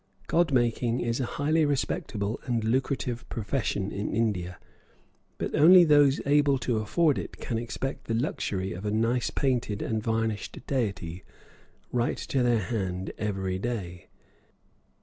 God making is a highly respectable and lucrative profession in India, but only those able to afford it can expect the luxury of a nice painted and varnished deity right to their hand every day.